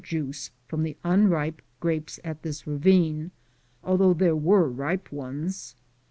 They made verjuice from, the unripe grapes at this ravine, although there were ripe ones.